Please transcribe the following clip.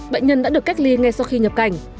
bệnh nhân đã được cách ly ngay sau khi nhập cảnh